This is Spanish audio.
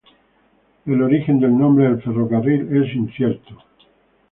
El origen del nombre del ferrocarril es incierto.